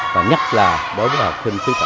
và nhất là bối với học sinh khuyết tật